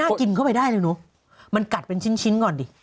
กินเข้าไปได้เลยเนอะมันกัดเป็นชิ้นก่อนดิ